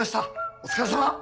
お疲れさま。